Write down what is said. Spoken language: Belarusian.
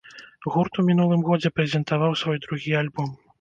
Гурт у мінулым годзе прэзентаваў свой другі альбом.